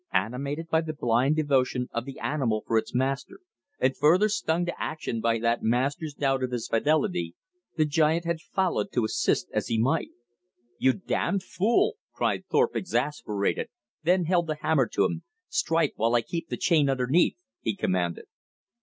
Animated by the blind devotion of the animal for its master, and further stung to action by that master's doubt of his fidelity, the giant had followed to assist as he might. "You damned fool," cried Thorpe exasperated, then held the hammer to him, "strike while I keep the chain underneath," he commanded.